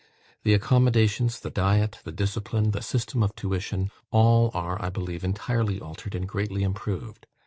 The accommodations, the diet, the discipline, the system of tuition all are, I believe, entirely altered and greatly improved.